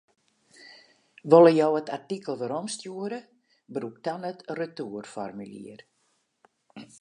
Wolle jo it artikel weromstjoere, brûk dan it retoerformulier.